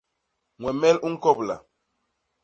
Ñwemel u ñkobla.